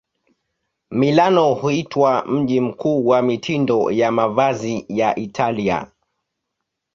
Milano huitwa mji mkuu wa mitindo ya mavazi ya Italia.